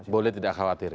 boleh tidak khawatir ya